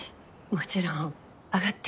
もちろん上がって。